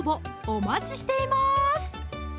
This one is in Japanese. お待ちしています